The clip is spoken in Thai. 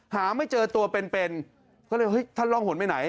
หาไม่เจอตัวเป็นเป็นก็เลยเฮ้ยท่านร่องหนไปไหน